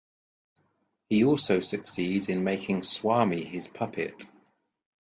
He also succeeds in making Swami his puppet.